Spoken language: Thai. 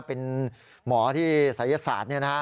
เป็นหมอที่ศัยศาสตร์